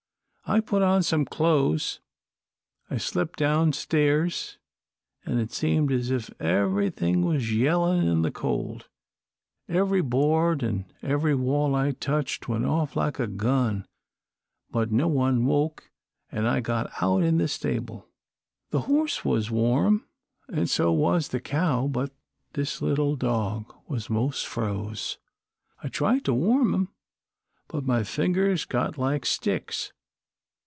I put on some clo'es, I slipped down stairs, an' it seemed as if everythin' was yellin' in the cold. Every board an' every wall I touched went off like a gun, but no one woke, an' I got out in the stable. "The horse was warm an' so was the cow, but this little dog was mos' froze. I tried to warm him, but my fingers got like sticks.